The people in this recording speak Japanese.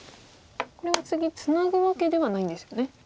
これは次ツナぐわけではないんですよね。